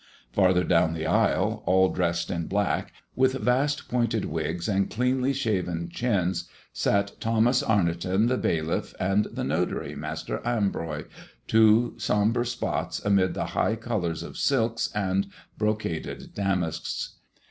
Farther down the aisle, all dressed in black, with vast pointed wigs and cleanly shaven chins, sit Thomas Arnoton the bailiff, and the notary, Master Ambroy, two sombre spots amid the high colors of silks and brocaded damasks.